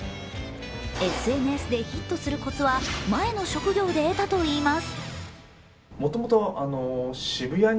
ＳＮＳでヒットするコツは前の職業で得たといいます。